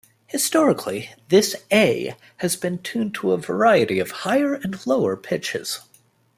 Historically, this A has been tuned to a variety of higher and lower pitches.